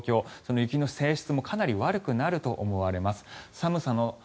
雪の性質もかなり悪くなると思います。